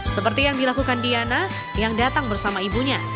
seperti yang dilakukan diana yang datang bersama ibunya